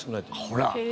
ほら。